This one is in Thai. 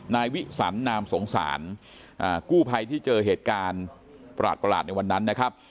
นายวิสันนามสงสารกู้ภัยที่เจอเหตุการณ์ประหลาดในวันนั้นนะครับ